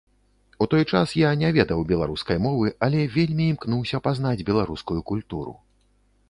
У той час я не ведаў беларускай мовы, але вельмі імкнуўся пазнаць беларускую культуру.